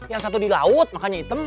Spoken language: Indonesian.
yang satu di laut makanya hitam